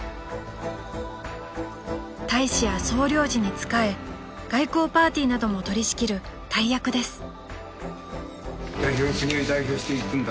［大使や総領事に仕え外交パーティーなども取り仕切る大役です］